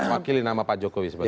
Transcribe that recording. wakil inilah pak jokowi semuanya